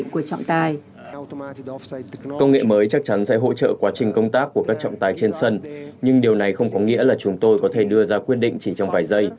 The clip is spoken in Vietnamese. công nghệ mới chắc chắn sẽ hỗ trợ quá trình công tác của các trọng tài trên sân nhưng điều này không có nghĩa là chúng tôi có thể đưa ra quyết định chỉ trong vài giây